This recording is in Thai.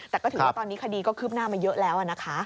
แต่ก็ถือว่าตอนนี้คดีก็คืบหน้ามาเยอะแล้วนะคะ